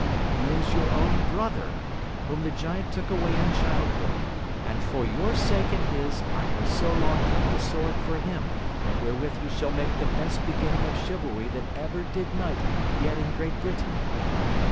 He is your own brother, whom the giant took away in childhood, and for your sake and his I have so long kept the sword for him, wherewith he shall make the best beginning of chivaby that ever did knight yet in Great Britain.